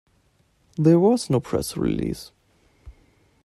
There was no press release.